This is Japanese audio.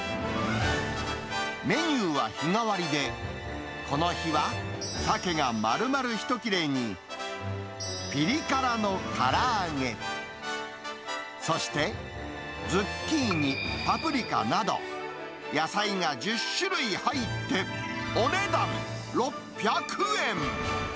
メニューは日替わりで、この日はサケがまるまる１切れに、ぴり辛のから揚げ、そして、ズッキーニ、パプリカなど、野菜が１０種類入って、お値段６００円。